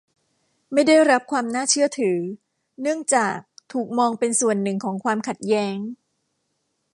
ไม่ได้รับความน่าเชื่อถือ เนื่องจากถูกมองเป็นส่วนหนึ่งของความขัดแย้ง